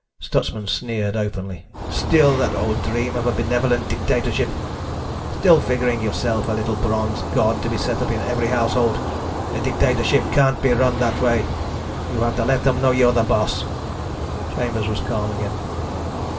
Stutsman sneered openly. "Still that old dream of a benevolent dictatorship. Still figuring yourself a little bronze god to be set up in every household. A dictatorship can't be run that way. You have to let them know you're boss." Chambers was calm again.